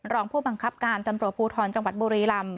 รองผู้บังคับการตำรวจภูทรจังหวัดบุรีลำ